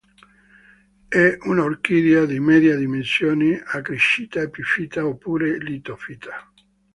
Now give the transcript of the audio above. È un'orchidea di medie dimensioni a crescita epifita oppure litofita.